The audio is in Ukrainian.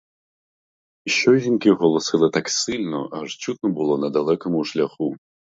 Що жінки голосили так сильно, аж чутно було на далекім шляху.